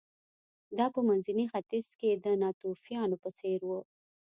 دا په منځني ختیځ کې د ناتوفیانو په څېر و